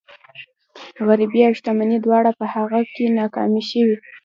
غريبي او شتمني دواړه په هغه کې ناکامې شوي.